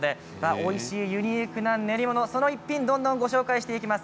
おいしいユニークな練り物その一品どんどんご紹介していきます。